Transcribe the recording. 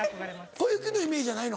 小雪のイメージやないの？